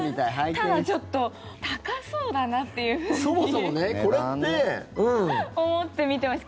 ただ、ちょっと高そうだなというふうに思って見てました。